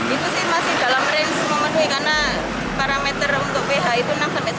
itu sih masih dalam range memenuhi karena parameter untuk ph itu enam tujuh